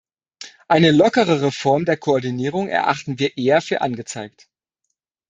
Eine lockerere Form der Koordinierung erachten wir eher für angezeigt.